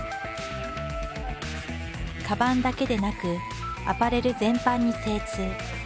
カバンだけでなくアパレル全般に精通。